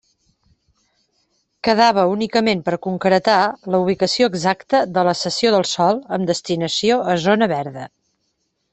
Quedava únicament per concretar la ubicació exacta de la cessió de sòl amb destinació a zona verda.